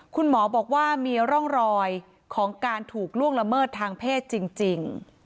คุณหมอบอกว่ามีร่องรอยของการถูกล่วงละเมิดทางเพศจริง